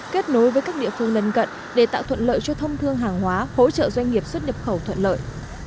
kết nối với các địa phương lân cận để tạo thuận lợi cho thông thương hàng hóa hỗ trợ doanh nghiệp xuất nhập khẩu thuận lợi